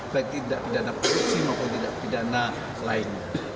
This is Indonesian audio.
baik tindak pidana korupsi maupun tindak pidana lain